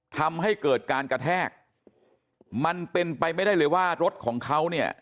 ทำให้เกิดการกระแทกมันเป็นไปไม่ได้เลยว่ารถของเขาเนี่ย